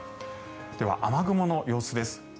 では、雨雲の様子です。